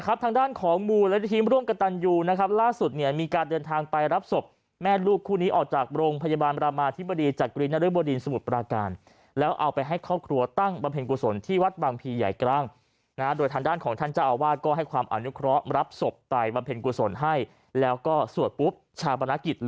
ทางด้านของมูลนิธิร่วมกับตันยูนะครับล่าสุดเนี่ยมีการเดินทางไปรับศพแม่ลูกคู่นี้ออกจากโรงพยาบาลบรามาธิบดีจากกรีนริบดินสมุทรปราการแล้วเอาไปให้ครอบครัวตั้งบำเพ็ญกุศลที่วัดบางพีใหญ่กลางนะโดยทางด้านของท่านเจ้าอาวาสก็ให้ความอนุเคราะห์รับศพไปบำเพ็ญกุศลให้แล้วก็สวดปุ๊บชาปนกิจ